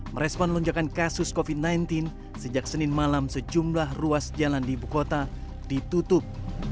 merespon lonjakan kasus covid sembilan belas sejak senin malam sejumlah ruas jalan di ibu kota ditutup